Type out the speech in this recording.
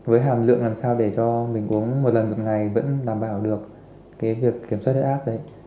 với hàm lượng làm sao để cho mình uống một lần một ngày vẫn đảm bảo được cái việc kiểm soát huyết áp đấy